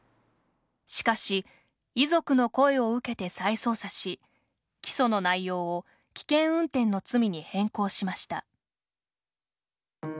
しかし遺族の声を受けて再捜査し起訴の内容を危険運転の罪に変更しました。